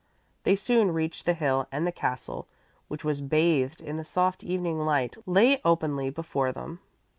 They soon reached the hill and the castle, which was bathed in the soft evening light, lay openly before them.